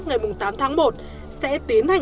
ngày tám tháng một sẽ tiến hành hóa rồng